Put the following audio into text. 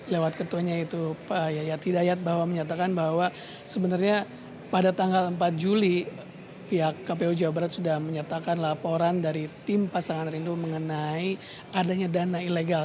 lewat ketuanya itu pak yayat hidayat bahwa menyatakan bahwa sebenarnya pada tanggal empat juli pihak kpu jawa barat sudah menyatakan laporan dari tim pasangan rindu mengenai adanya dana ilegal